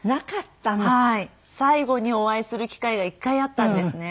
最後にお会いする機会が一回あったんですね。